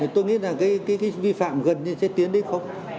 tôi nghĩ là cái vi phạm gần như sẽ tiến đi không